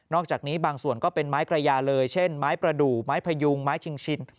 อกจากนี้บางส่วนก็เป็นไม้กระยาเลยเช่นไม้ประดูกไม้พยุงไม้ชิง